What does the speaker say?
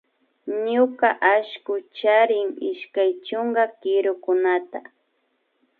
Ñuka allku charin ishkay chunka kirukunata